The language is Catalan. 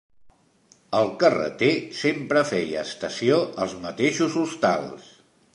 El carreter sempre feia estació als mateixos hostals.